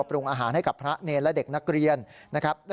ปรุงอาหารให้กับพระเนรและเด็กนักเรียนนะครับ